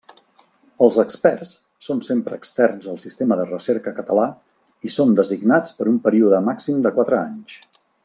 Els experts són sempre externs al sistema de recerca català i són designats per un període màxim de quatre anys.